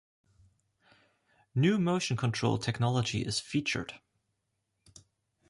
New motion-control technology is featured.